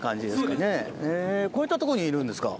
こういったとこにいるんですか。